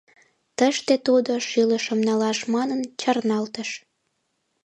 Тыште тудо шӱлышым налаш манын чарналтыш.